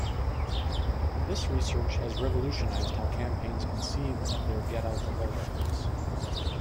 This research has revolutionized how campaigns conceive of their get out the vote efforts.